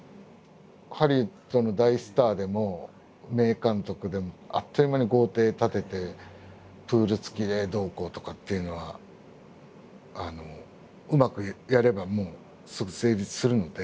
ハリウッドの大スターでも名監督でもあっという間に豪邸建ててプール付きでどうこうとかっていうのはうまくやればもうすぐ成立するので。